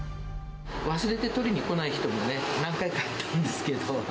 忘れて取りに来ない人もね、何回かあったんですけど。